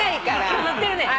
今日乗ってるね。